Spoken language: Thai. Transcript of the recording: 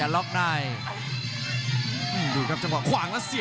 ยังไงยังไง